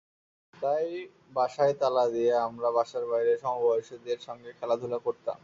তাই বাসায় তালা দিয়ে আমরা বাসার বাইরে সমবয়সীদের সঙ্গে খেলাধুলা করতাম।